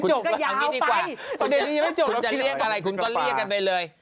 ตอนเด็กนี้ยังไม่จบแล้วคุณจะเรียกอะไรคุณก็เรียกกันไปเลย